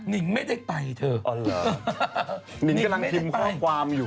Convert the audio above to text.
นิ่งไม่ได้ไปเธออ๋อเหรอ